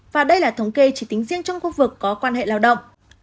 và đây là thống kê chỉ tính riêng trong khu vực có quan hệ lao động